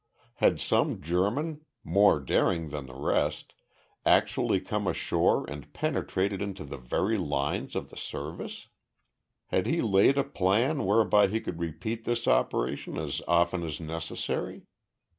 Had some German, more daring than the rest, actually come ashore and penetrated into the very lines of the Service? Had he laid a plan whereby he could repeat this operation as often as necessary?